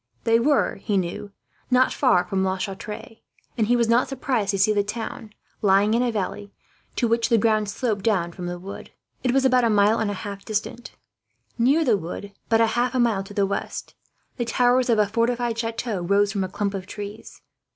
They were, he knew, not far from La Chatre; and he was not surprised to see the town, lying in a valley, to which the ground sloped down from the wood. It was about a mile and a half distant. Nearer the wood, but half a mile to the west, the towers of a fortified chateau rose from a clump of trees.